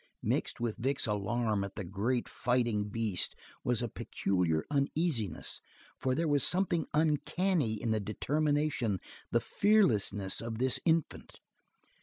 Mixed with Vic's alarm at the great fighting beast was a peculiar uneasiness, for there was something uncanny in the determination, the fearlessness of this infant.